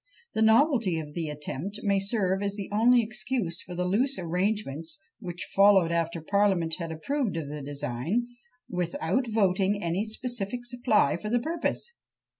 The novelty of the attempt may serve as the only excuse for the loose arrangements which followed after parliament had approved of the design, without voting any specific supply for the purpose!